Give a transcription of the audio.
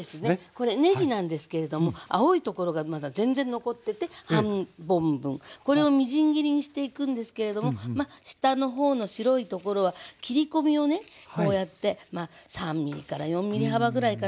これねぎなんですけれども青いところがまだ全然残ってて半本分これをみじん切りにしていくんですけれども下のほうの白いところは切り込みをねこうやって３ｍｍから４ｍｍ幅ぐらいかな。